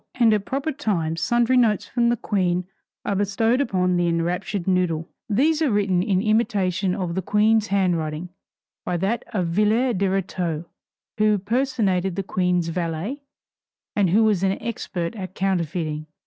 And at proper times sundry notes from the Queen are bestowed upon the enraptured noodle. These are written in imitation of the Queen's handwriting, by that Villette de Rétaux who personated the Queen's valet, and who was an expert at counterfeiting.